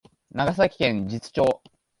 長崎県時津町